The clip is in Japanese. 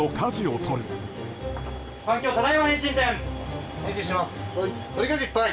取りかじいっぱい！